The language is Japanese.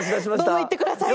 「どうぞ行ってください」。